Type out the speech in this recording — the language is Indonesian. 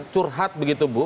curhat begitu bu